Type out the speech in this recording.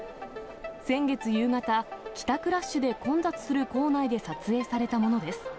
先月夕方、帰宅ラッシュで混雑する構内で撮影されたものです。